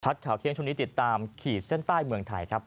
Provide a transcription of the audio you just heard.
ข่าวเที่ยงช่วงนี้ติดตามขีดเส้นใต้เมืองไทยครับ